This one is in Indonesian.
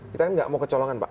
kita kan nggak mau kecolongan pak